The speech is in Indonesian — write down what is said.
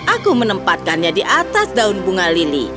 aku menempatkannya di atas daun bunga lili